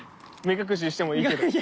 目隠ししてもいいけど。